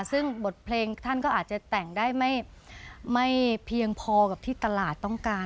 ซึ่งบทเพลงท่านก็อาจจะแต่งได้ไม่เพียงพอกับที่ตลาดต้องการ